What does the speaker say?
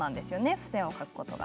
付箋を書くことが。